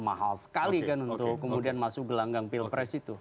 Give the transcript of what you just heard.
mahal sekali kan untuk kemudian masuk gelanggang pilpres itu